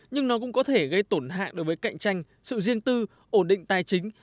nhưng nó cũng có thể gây tổn hạng đối với cạnh tranh sự riêng tư ổn định tài chính